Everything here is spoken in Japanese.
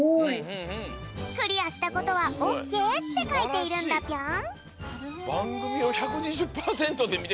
クリアしたことは「ＯＫ」ってかいているんだぴょん！